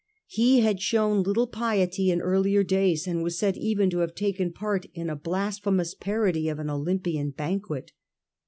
He had shown little piety in earlier days, and was said even to have taken part in a blas phemous parody of an Olympian banquet.